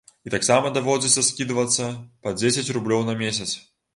І таксама даводзіцца скідвацца па дзесяць рублёў на месяц.